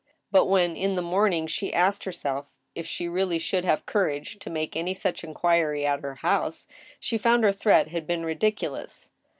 But, when in the morning she asked herself if she really should have courage to make any such inquiry at her house, she found her threat had been ridiculous.